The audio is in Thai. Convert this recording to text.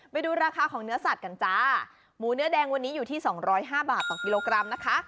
ไปดูราคาของเนื้อสัตว์กันจ้าหมูเนื้อแดงวันนี้อยู่ที่สองร้อยห้าบาทต่อกิโลกรัมนะคะ